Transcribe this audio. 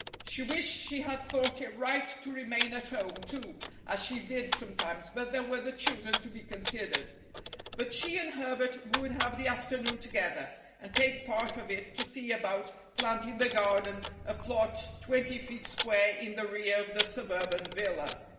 She wished she had thought it right to remain at home, too, as she did sometimes, but there were the children to be considered. But she and Herbert would have the afternoon together, and take part of it to see about planting the garden, a plot twenty feet square in the rear of the suburban villa.